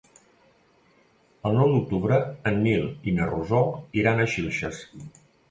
El nou d'octubre en Nil i na Rosó iran a Xilxes.